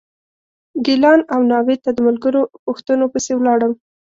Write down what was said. ګیلان او ناوې ته د ملګرو پوښتنو پسې ولاړم.